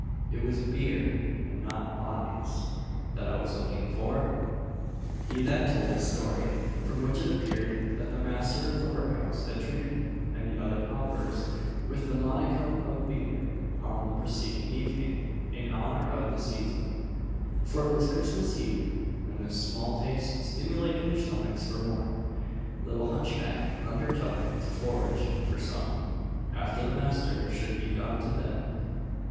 it was beer, and not bodies, that I was looking for!" He then told his story; from which it appeared that the master of the workhouse had treated him and the other paupers with a modicum of beer on the preceding evening in honour of the season, for it was Christmas eve; and this small taste stimulating their stomachs for more, little hunchback undertook to forage for some, after the master should be gone to bed.